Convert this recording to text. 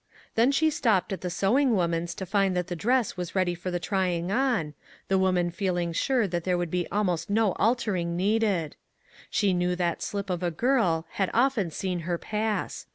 Then she stopped at the sewing woman's to find that the dress was ready for the trying on, the woman feeling sure that there would be almost no altering needed. She knew that slip of a girl, had often seen her pass.